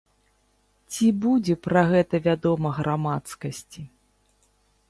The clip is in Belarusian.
Ці будзе пра гэта вядома грамадскасці?